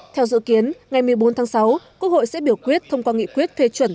theo dự kiến ngày một mươi bốn tháng sáu quốc hội sẽ biểu quyết thông qua nghị quyết phê chuẩn